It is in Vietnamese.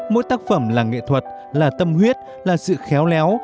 mỗi tác phẩm là nghệ thuật là tâm huyết là sự khéo léo